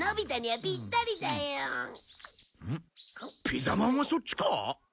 ピザまんはそっちか？